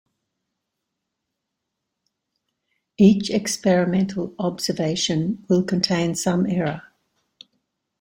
Each experimental observation will contain some error.